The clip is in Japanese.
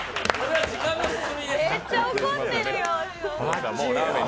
めっちゃ怒ってるよ。